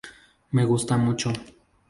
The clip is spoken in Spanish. Me gusta mucho.